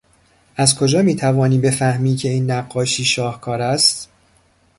از کجا میتوانی بفهمی که این نقاشی شاهکار است؟